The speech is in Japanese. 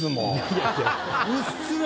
うっすら。